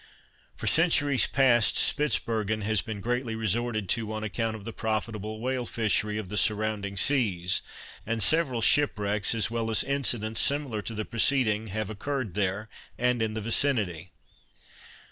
For centuries past Spitzbergen has been greatly resorted to on account of the profitable whale fishery of the surrounding seas, and several shipwrecks, as well as incidents similar to the preceding, have occurred there, and in the vicinity.